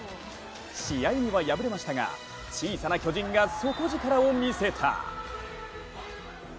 試合には敗れましたが小さな巨人が底力を見せた。